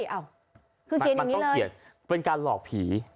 คือเขียนอย่างนี้เลยมันต้องเขียนเป็นการหลอกผี